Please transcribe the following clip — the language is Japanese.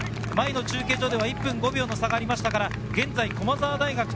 前の中継所では１分５秒の差がありましたから、現在、駒澤大学と